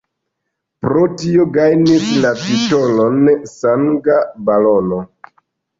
Pro tio gajnis la titolon Sanga Barono.